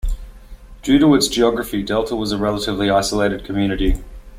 Due to its geography, Delta was a relatively isolated community.